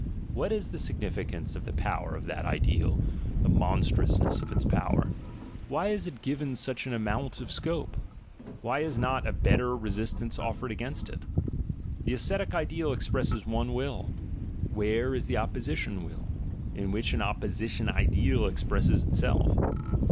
What is the significance of the power of that ideal, the monstrousness of its power? Why is it given such an amount of scope? Why is not a better resistance offered against it? The ascetic ideal expresses one will: where is the opposition will, in which an opposi tion ideal expresses itself?